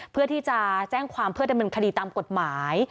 เพื่อที่จะแจ้งความเพื่อดำเนินคดีตามกฎหมาย